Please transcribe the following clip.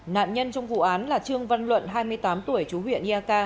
nạn nhân trong vụ án là trương văn luận hai mươi tám tuổi chú huyện iaka